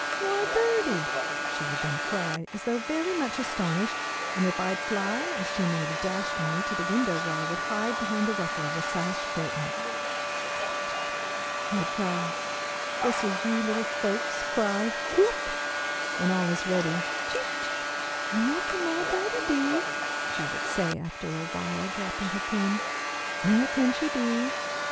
"Why birdie!" she would then cry, as though very much astonished, and off I'd fly, as she made a dash for me, to the window where I would hide behind the ruffle of the sash curtain. "Cheep, cheep," I'd cry, just as you little folks cry "whoop," when all is ready, "cheep, cheep." "Where can my birdie be?" she would say after awhile, dropping her pen. "Where can she be?"